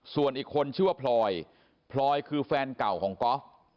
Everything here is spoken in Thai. ส่วนอีกคนชื่อว่าพลอยพลอยคือแฟนเก่าของก๊อฟ